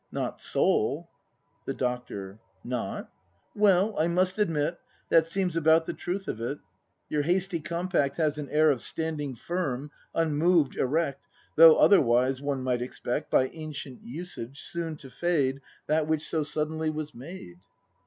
Not soul. The Doctor. Not ? Well, I must admit. That seems about the truth of it. Your hasty compact has an air Of standing firm, unmoved, erect, Though otherwise, one might expect. By ancient usage, soon to fade That which so suddenly was made.